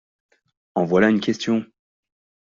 En voilà une question !